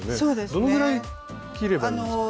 どのぐらい切ればいいですか？